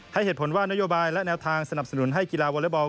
ให้เหตุผลว่านโยบายและแนวทางสนับสนุนให้กีฬาวอเล็กบอล